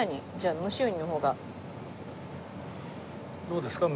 どうですか？